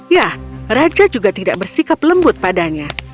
ya raja juga tidak bersikap lembut padanya